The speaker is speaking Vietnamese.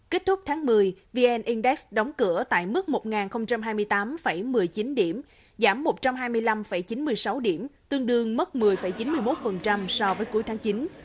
kết thúc tháng một mươi vn index đóng cửa tại mức một hai mươi tám một mươi chín điểm giảm một trăm hai mươi năm chín mươi sáu điểm tương đương mất một mươi chín mươi một so với cuối tháng chín